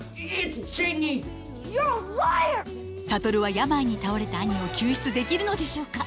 諭は病に倒れた兄を救出できるのでしょうか。